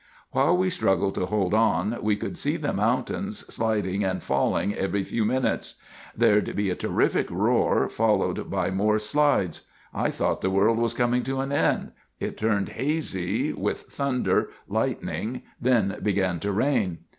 "While we struggled to hold on, we could see the mountains sliding and falling every few minutes. There'd be a terrific roar, followed by more slides. I thought the world was coming to an end. It turned hazy, with thunder, lightning, then began to rain.